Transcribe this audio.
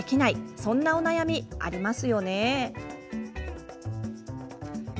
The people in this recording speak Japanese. そんなお悩みありますよね。